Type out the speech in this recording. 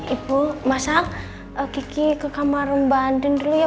ibu masa kiki ke kamar rumah andi dulu ya